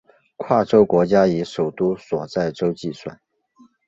跨洲国家以首都所在洲计算。